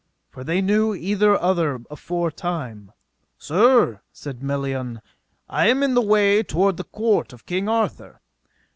for they knew either other afore time. Sir, said Melion, I am in the way toward the court of King Arthur.